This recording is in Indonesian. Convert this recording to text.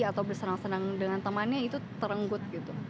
atau bersenang senang dengan temannya itu terenggut gitu